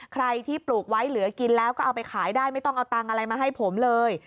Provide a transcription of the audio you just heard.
ใครที่ปลูกไว้เหลือกินแล้วก็เอาไปขายได้ไม่ต้องเอาตังค์อะไรมาให้ผมเลย